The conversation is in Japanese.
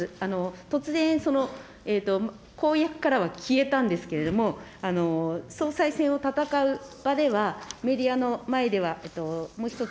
突然、公約からは消えたんですけれども、総裁選を戦う場では、メディアの前では、もう１つ